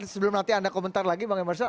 sebelum nanti anda komentar lagi bang emerson